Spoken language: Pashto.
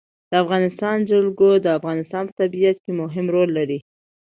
د افغانستان جلکو د افغانستان په طبیعت کې مهم رول لري.